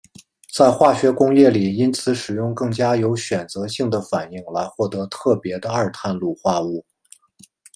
在化学工业里因此使用更加有选择性的反应来获得特别的二碳卤化物。